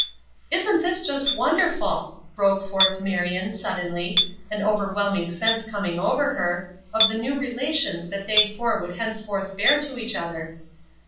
"Isn't this just wonderful!" broke forth Marion, suddenly, an overwhelming sense coming over her, of the new relations that they four would henceforth bear to each other.